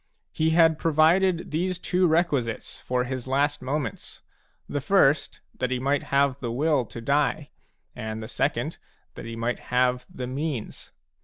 He had provided these two requisites for his last moments, — the first, that he might have the will to die, and the second, that he might have the means.